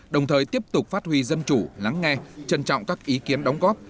đồng thời tiếp tục phát huy dân chủ lắng nghe trân trọng các ý kiến đóng góp